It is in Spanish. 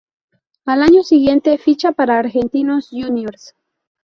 Al año siguiente, ficha para Argentinos Juniors.